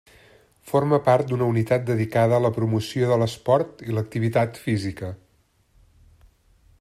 Forma part d'una unitat dedicada a la promoció de l'esport i l'activitat física.